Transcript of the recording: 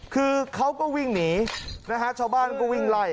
คือเขาก็วิ่งหนีนะฮะชาวบ้านก็วิ่งไล่